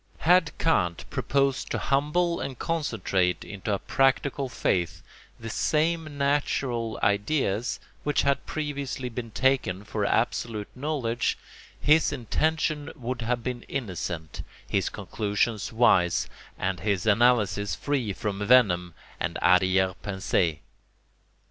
Had Kant proposed to humble and concentrate into a practical faith the same natural ideas which had previously been taken for absolute knowledge, his intention would have been innocent, his conclusions wise, and his analysis free from venom and arrière pensée.